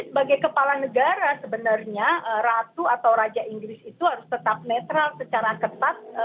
jadi sebagai kepala negara sebenarnya ratu atau raja inggris itu harus tetap netral secara ketat